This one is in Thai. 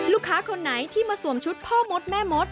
คนไหนที่มาสวมชุดพ่อมดแม่มด